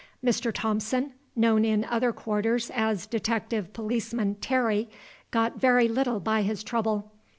Mr. Thompson, known in other quarters as Detective Policeman Terry, got very little by his trouble.